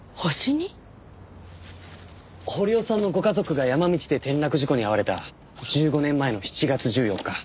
堀尾さんのご家族が山道で転落事故に遭われた１５年前の７月１４日。